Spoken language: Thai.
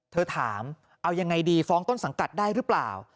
เธอถามเอายังไงดีฟ้องต้นสังกัดได้หรือเปล่า